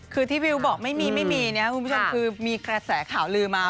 คือที่วิวบอกไม่มีไม่มีนะครับคุณผู้ชมคือมีกระแสข่าวลือมา